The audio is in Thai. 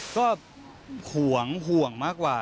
ก็ห่วงห่วงมากกว่า